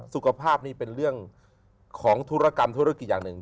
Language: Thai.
สุขภาพนี่เป็นเรื่องของธุรกรรมธุรกิจอย่างหนึ่ง